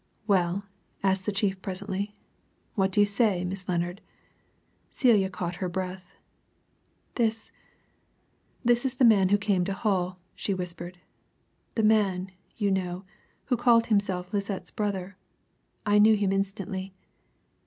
"Well?" asked the chief presently. "What do you say, Miss Lennard?" Celia caught her breath. "This this is the man who came to Hull," she whispered. "The man, you know, who called himself Lisette's brother. I knew him instantly."